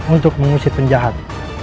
untuk mengusir penjahat